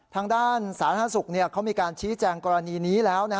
ทางด้านสาธารณสุขเขามีการชี้แจงกรณีนี้แล้ว